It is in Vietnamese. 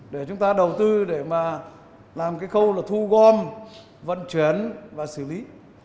để chúng ta đầu tư để làm khâu thu gom vận chuyển và xử lý